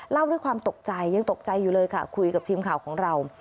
เล่าด้วยความตกใจยังตกใจอยู่เลยค่ะคุยกับทีมข่าวของเรา